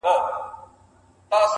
ولي مي هره شېبه، هر ساعت په غم نیسې~